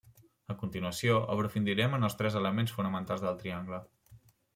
A continuació, aprofundirem en els tres elements fonamentals del triangle.